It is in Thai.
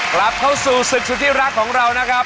กลับเข้าสู่ศึกสุดที่รักของเรานะครับ